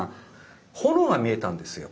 炎が見えたんですよ。